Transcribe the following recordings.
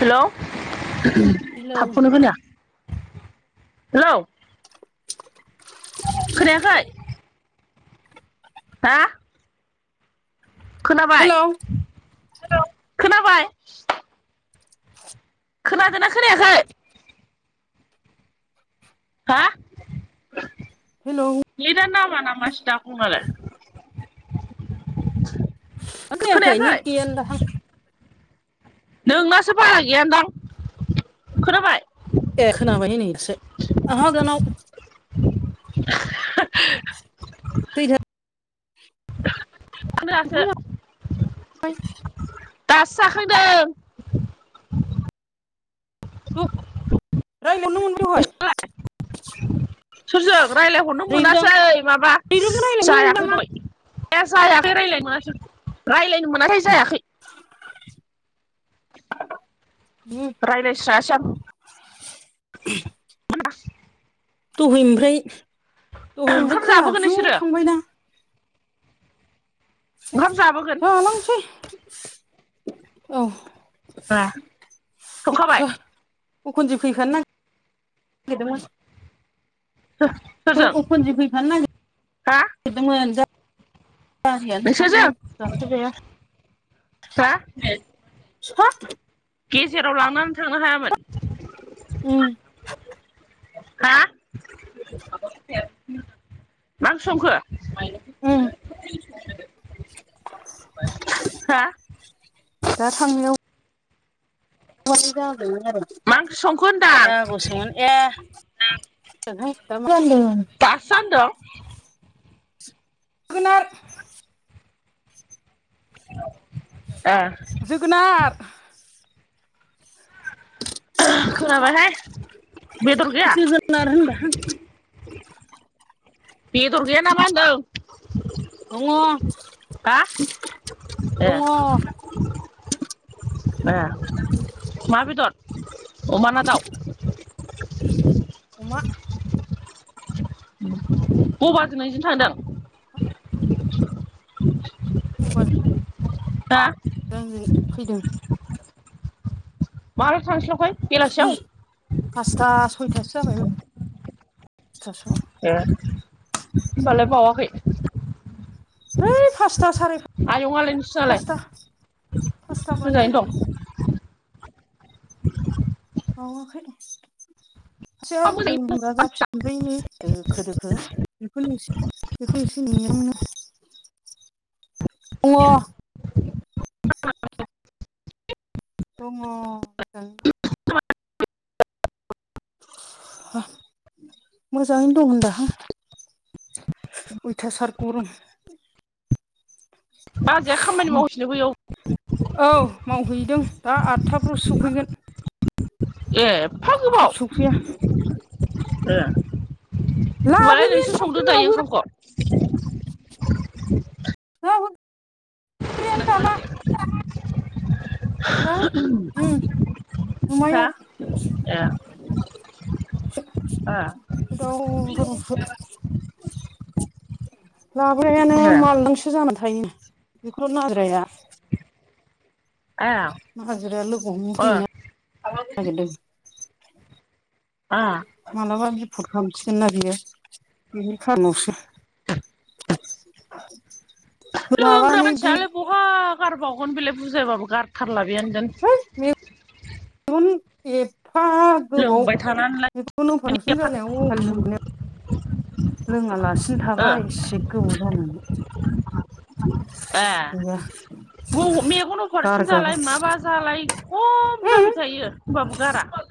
हेल' hello थाबखौनो खोनाया hello खोनायाखै हा खोनाबाय हेलौ खोनाबाय खोनादों ना खोनायाखै हा हेलौ नेदानो‌ नाङा नामासै दा फनालाय ओ खोनायाखै नेट गैयानो दाहां नोंनासो बारा गैय दां खोनाबाय? ए खोनाबायहाय नै दासो [unintelligible] [unintelligible] [unintelligible] [inaudible] दासो जाखांदों। रं रायज्लायनो मोबाय दहाय [unintelligible] सोरजों राय्लायहरनो रैरुबजों मोनासै माबा रैरुबजों रायलायनो मोनबाय जायाखै मा दहाय ए जायाखै रायज्लायनो मोनासै रायज्लायनो मोनथाय जायाखै। [unintelligible] रायलायस्रायासै आं [unintelligible] दहायनिफ्राय दहायनिफ्राय ओंखाम खोलाहा जाबोगोन फिउ बिसोरो थांबायना ओंखाम जाबोगोन। जालांसै औ। ओ संखाबाय अखुनजि फैफानो नांगिरदोंमोन। [unintelligible] अखनजि फैफानो हा नागिरगिरदोंमोन जा [unintelligible] गारियानो नोंसोरजों साथाम गाखोजाया हा फिफा गेजेराव लांनानै थांहोनो हायामोन उम हा? मा ओंख्रि संखो? उम हा? दा थांनायाव [unintelligible] आरो मा ओंख्रि संखो होनदां जागौसोमोन [unintelligible] दासो जानदों? जोगोनार ए। जोगोनार खोनाबायहाय बेदर गैया? जोगोनार होनदां बेदर गैया नामा होनदों? दङ हा ए दङ। ए [inaudible] अमा बेदर अमाना दाउ? अमा। बबा दिनैजोंनो थांदों? [inaudible] बबाजों हा? आंजों फैदों। माला थांस्लाबखोहाय? फासथा सयथासो जाबायमोन सयथासोआव ए होमबालाय बावाखै। है फासथा साराय फास आयंआलाय नोंसिनालाय पासथा बारदों मोजाङैनो दं? [unintelligible] ओमफ्राय नै मोजाङै दोखो दोखो बेखौनो एसे बेखौ एसे नेनायावनो दङ। मोजाङैनो दं होनदाहां। अयथासार गरम। बाजैया खामानि मावगासिनो बैयाव औ मावहैदों दा आथथाफ्रावसो सफैगोन। ए एफा थाब गोबाव? सफैया ए होमबालाय नोंसो लाबोग्रायानो संदो थाबखौनो दायो लाबोआ ओंखामखौ [unintelligible] [unintelligible] हा ओम हा बिमायं ए ए [unintelligible] लाग्रायानो ए मालदांसो जाना थायो बेखौ नागिरहैया। ए हाजिराया लोगो हमनो ओ फैनो नागिरदों। आ मालाबा बिपर्ट खालामसिगोन ना बियो बेनि खारनावसो। [inaudible] [unintelligible] लोंग्रा माबानो इदि मानसियालाय बहा गारबावगोन बेलाय बुजायबाबो गारथारला बेनदेन है [unintelligible] गोबाव [unintelligible] लोङालासिनो थाबाय एसे गोबाव जानानै ए गैया मेगनाव अफारेसन गारग्राबो जालाय माबा जालायसो खम जाबाय थायो।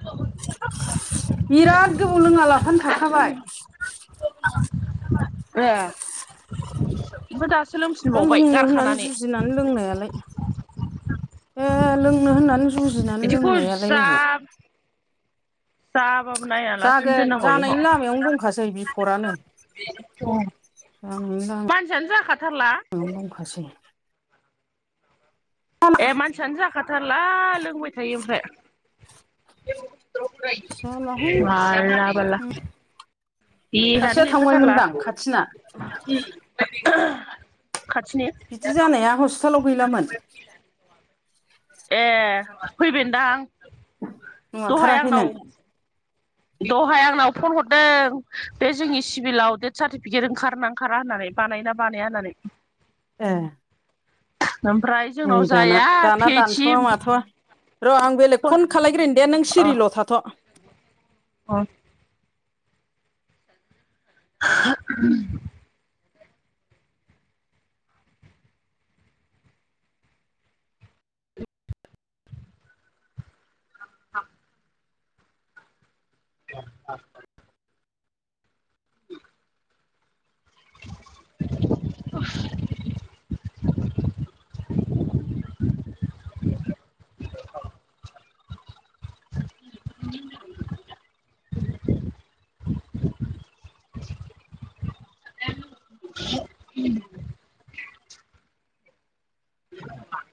बिराद गोबाव लोङा लाफानो थाखाबाय। [unintelligible] दासो लोंफिनबावबाय गारखानानै? गुनानै लोंनायालाय ए लोंनो होननानै। नों जुजिनानै बिदिखौ लोंनायालाय अबाव साब जागोन जानायनि लामायावनो दंखासै बिफदानो [unintelligible] मानसियानो जाखाथारला। नों दंखासै। ए मानसियानो जाखाथारला लोंबाय थायो ओमफ्राय? जालाहाय [unintelligible] देहानो सासेया गैखाथारला थांबायमोनदां खाथिना खाथिनि? बिदि जानाया हस्पिटालाव गैलामोन? ए फैबायनदांं। नुथाराखै नों? दहाय आंनाव फन हरदों बे जोंनि सिभिलाव डेथ सार्टिफिकेट ओंखारोना। ओंखारा होननानै बानायना बानाया होननानै। ए ओमफ्राय नोइ जोंनाव दाना जाया दाना पि ओइस सि दानथ'वा माथ'वा। र' आं बेलेग फन खालायग्रोनि दे नों अ सिरिल' थाथ'। [inaudible] [unintelligible] [unintelligible] [unintelligible] [unintelligible] [unintelligible] [unintelligible] [inaudible] [inaudible] [unintelligible] [unintelligible]